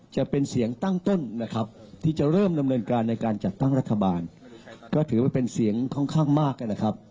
จะเป็นเสียงตั้งต้นนะครับที่จะเริ่มดำเนินการในการจัดตั้งรัฐบาลก็ถือว่าเป็นเสียงค่อนข้างมากนะครับ